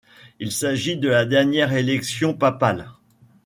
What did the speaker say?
Il s'agit de la dernière élection papale.